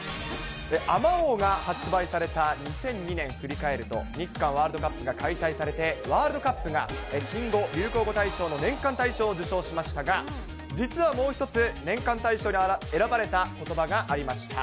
あまおうが発売された２００２年振り返ると、日韓ワールドカップが開催されてワールドカップが新語・流行語大賞の年間大賞を受賞しましたが、実はもう一つ、年間大賞に選ばれたことばがありました。